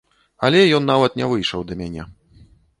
Але ён нават не выйшаў да мяне.